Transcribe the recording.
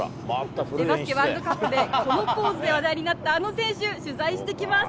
バスケワールドカップで、このポーズで話題になったあの選手、取材してきます。